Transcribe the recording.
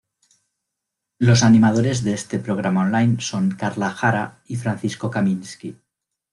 Los animadores de este programa online son Carla Jara y Francisco Kaminski.